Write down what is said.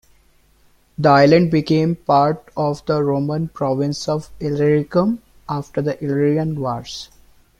The island became part of the Roman province of Illyricum after the Illyrian Wars.